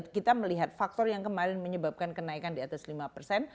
kita melihat faktor yang kemarin menyebabkan kenaikan di atas lima persen